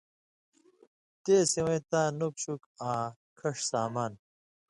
تے سِوَیں تاں نُک شُک آں کھݜ سامان،